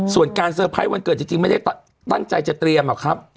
ส่วนการเซอร์ไพรส์วันเกิดจริงไม่ได้ตั้งใจจะเตรียมหรอกครับ